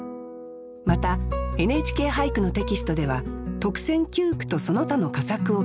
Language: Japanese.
また「ＮＨＫ俳句」のテキストでは特選九句とその他の佳作を掲載します。